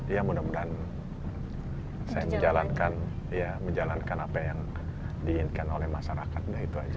ya mudah mudahan saya menjalankan ya menjalankan apa yang diinginkan oleh masyarakat udah itu aja